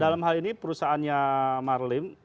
dalam hal ini perusahaannya marlim